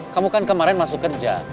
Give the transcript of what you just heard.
kamu kan kemarin masuk kerja